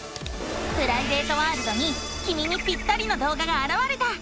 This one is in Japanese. プライベートワールドにきみにぴったりの動画があらわれた！